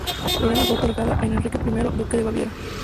Lorena fue otorgada a Enrique I, duque de Baviera.